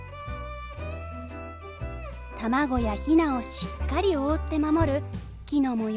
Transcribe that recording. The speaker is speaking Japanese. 卵やヒナをしっかり覆って守る木の模様